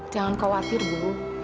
jangan khawatir bu